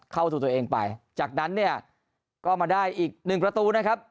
เข้าสู่ตัวเองไปจากนั้นเนี่ยก็มาได้อีกหนึ่งประตูนะครับ